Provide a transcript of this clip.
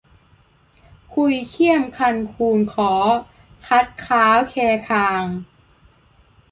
คุยเคี่ยมคันคูนค้อ คัดค้าวแคคาง